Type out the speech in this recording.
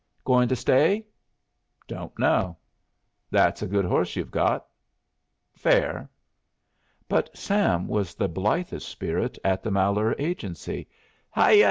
"Goin' to stay?" "Don't know." "That's a good horse you've got." "Fair." But Sam was the blithest spirit at the Malheur Agency. "Hiyah!"